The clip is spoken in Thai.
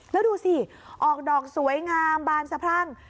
แล้วดูสิออกดอกสวยงามบานสะพรั่ง